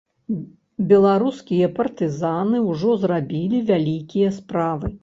Беларускія партызаны ўжо зрабілі вялікія справы.